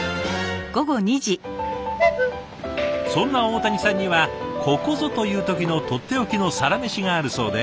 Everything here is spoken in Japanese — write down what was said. そんな大谷さんにはここぞという時のとっておきのサラメシがあるそうで。